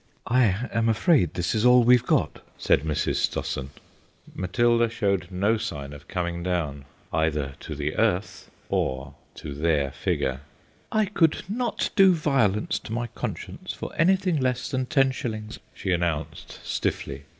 "I am afraid this is all we've got," said Mrs. Stossen. Matilda showed no sign of coming down either to the earth or to their figure. "I could not do violence to my conscience for anything less than ten shillings," she announced stiffly.